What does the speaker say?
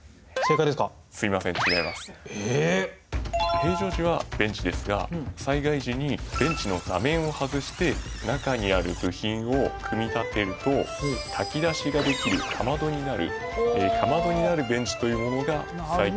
平常時はベンチですが災害時にベンチの座面を外して中にある部品を組み立てると炊き出しができるかまどになるかまどになるベンチというものが最近では作られてます。